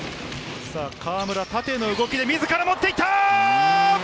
河村、縦の動きで自ら持っていった！